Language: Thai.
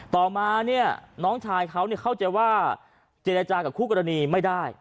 ต่อมาเนี่ยน้องชายเขาเข้าใจว่าเจรจากับคู่กรณีไม่ได้